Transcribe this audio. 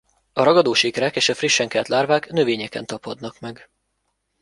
A ragadós ikrák és a frissen kelt lárvák növényeken tapadnak meg.